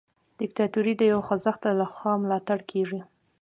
دیکتاتوري د یو خوځښت لخوا ملاتړ کیږي.